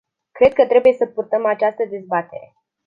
Cred că trebuie să purtăm această dezbatere.